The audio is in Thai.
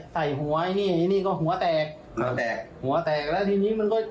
ใส่หัวไอ้นี่ไอ้นี่นี่ก็หัวแตกหัวแตกหัวแตกแล้วทีนี้มันก็